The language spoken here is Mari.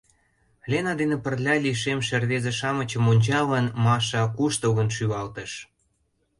— Лена дене пырля лишемше рвезе-шамычым ончалын, Маша куштылгын шӱлалтыш.